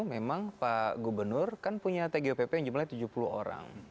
memang pak gubernur kan punya tgupp yang jumlahnya tujuh puluh orang